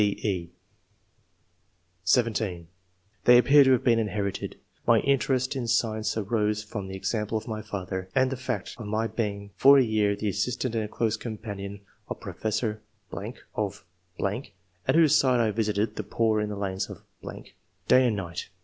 (6, e) (17) "They appear to have been inherited. My interest in science arose from the example of my father, and the fact of my being for a year the assistant and close companion of Pro III.] OBIGIN OF TASTE FOB SCIENCE. 173 fessor .... of at whose side I visited the poor in the lanes of ...., day and night.